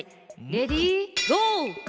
レディーゴー！